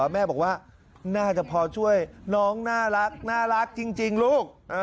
แม่บอกว่าน่าจะพอช่วยน้องน่ารักจริงลูก